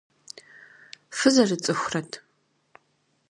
Фызэрыцӏыхурэт?